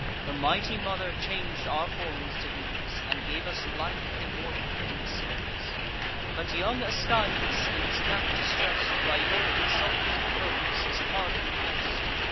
The mighty Mother chang'd our forms to these, And gave us life immortal in the seas. But young Ascanius, in his camp distress'd, By your insulting foes is hardly press'd.